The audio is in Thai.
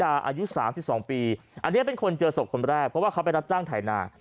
อายุ๓๒ปีอันนี้เป็นคนเจอศพคนแรกเพราะว่าเขาไปรับจ้างไถนา